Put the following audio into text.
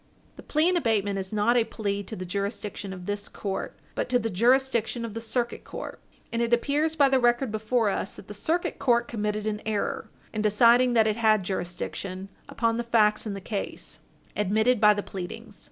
The plea in abatement is not a plea to the jurisdiction of this court, but to the jurisdiction of the Circuit Court. And it appears by the record before us that the Circuit Court committed an error in deciding that it had jurisdiction upon the facts in the case admitted by the pleadings.